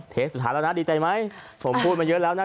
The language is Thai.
เทสสุดท้ายแล้วนะดีใจมั้ยผมบูมันเยอะแล้วนะ